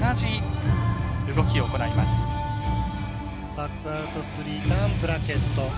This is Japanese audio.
バックアウトスリーターンブラケット。